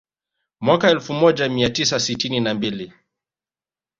Mwaka elfu moja mia tisa sitini na mbili